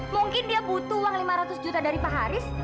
mungkin dia butuh uang lima ratus juta dari pak haris